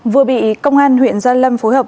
vừa bị công an huyện gia lâm phối hợp